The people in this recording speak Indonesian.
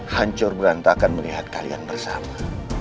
hancur berantakan melihat kalian bersama